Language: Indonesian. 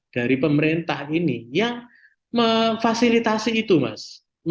dari pemerintah ini yang memfasilitasi itu mas